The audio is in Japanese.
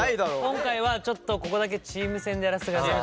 今回はちょっとここだけチーム戦でやらせてください。